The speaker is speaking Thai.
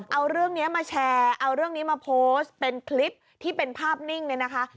เอาเรื่องนี้มาแชร์เอาเรื่องนี้มาโพสต์เป็นคลิปที่เป็นภาพนิ่งเนี่ยนะคะ